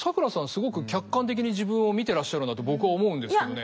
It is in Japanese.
すごく客観的に自分を見てらっしゃるんだと僕は思うんですけどね。